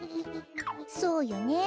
そうよね。